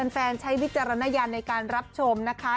ใช้ใช้วิจารณญาณในการรับชมนะคะ